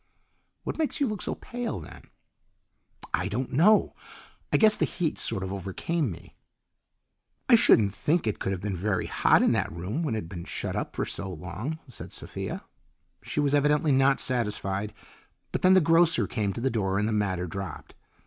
"What makes you look so pale then?" "I don't know. I guess the heat sort of overcame me." "I shouldn't think it could have been very hot in that room when it had been shut up so long," said Sophia. She was evidently not satisfied, but then the grocer came to the door and the matter dropped.